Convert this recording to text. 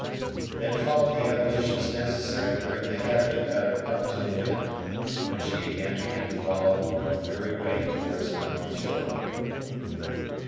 Then followed the evolutions necessary to bring the head of the cutter up to the wind, when she again began to wallow her weary way towards the north shore.